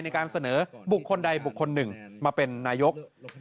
ในการเสนอบุคคลใดบุคคลหนึ่งมาเป็นนายก